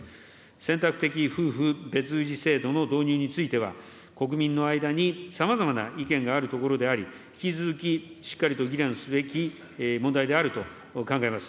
選択的夫婦別氏制度の導入については、国民の間にさまざまな意見があるところであり、引き続き、しっかりと議論すべき問題であると考えます。